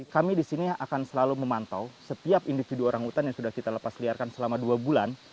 kami di sini akan selalu memantau setiap individu orang hutan yang sudah kita lepas liarkan selama dua bulan